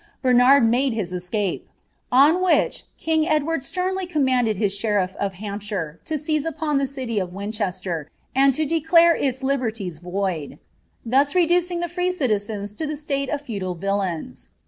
Bernard made his escape. On which king Edward stenily commanded his sheriff of Hampshire to seize upon Uie city of Winchester, and to declare its liberties void; thus reducing the free citizens to the state of feudal villeins.